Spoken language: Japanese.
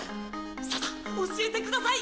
さあさあ教えてください！